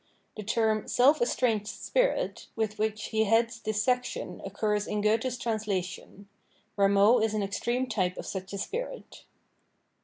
The term " self estranged spirit" with which he heads this section occurs in Goethe's translation. Rameau is an extreme type of such a spirit.